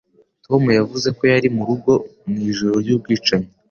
Tom yavuze ko yari mu rugo mu ijoro ry’ubwicanyi